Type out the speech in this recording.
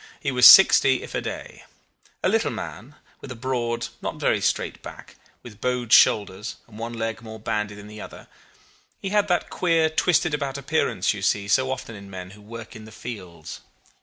He was sixty if a day; a little man, with a broad, not very straight back, with bowed shoulders and one leg more bandy than the other, he had that queer twisted about appearance you see so often in men who work in the fields.